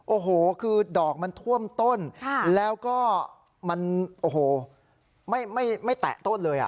โอ้โหคือดอกมันท่วมต้นแล้วก็มันโอ้โหไม่แตะต้นเลย